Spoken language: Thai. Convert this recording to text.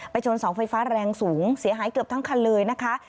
ชนเสาไฟฟ้าแรงสูงเสียหายเกือบทั้งคันเลยนะคะ